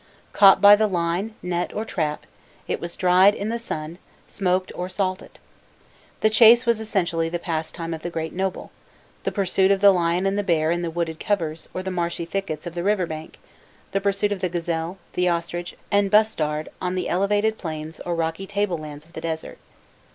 Caught by the line, net, or trap, it was dried, in the sun, smoked, or salted. The chase was essentially the pastime of the great noble the pursuit of the lion and the bear in the wooded covers or the marshy thickets of the river bank; the pursuit of the gazelle, the ostrich, and bustard on the elevated plains or rocky tablelands of the desert.